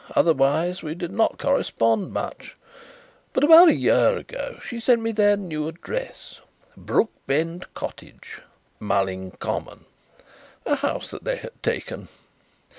Otherwise we did not correspond much, but about a year ago she sent me their new address Brookbend Cottage, Mulling Common a house that they had taken.